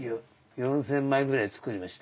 ４，０００枚ぐらいつくりましたよ。